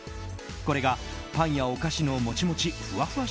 これがパンやお菓子のモチモチふわふわ